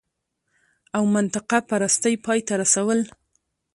او منطقه پرستۍ پای ته رسول